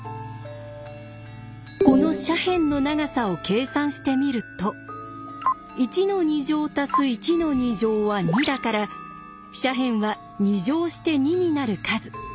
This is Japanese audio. この斜辺の長さを計算してみると１の２乗足す１の２乗は２だから斜辺は２乗して２になる数そう